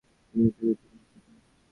তিনি এ চাকরিতে বহাল ছিলেন।